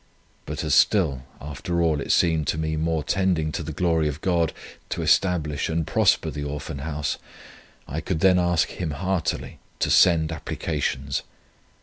But as still, after all, it seemed to me more tending to the glory of God, to establish and prosper the Orphan House, I could then ask Him heartily, to send applications.